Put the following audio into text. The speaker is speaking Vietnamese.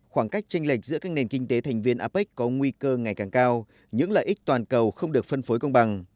khoảng cách tranh lệch giữa các nền kinh tế thành viên apec có nguy cơ ngày càng cao những lợi ích toàn cầu không được phân phối công bằng